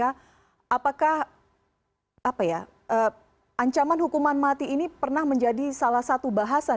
apakah ancaman hukuman mati ini pernah menjadi salah satu bahasan